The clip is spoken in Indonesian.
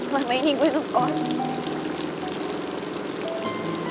lama ini gue dukung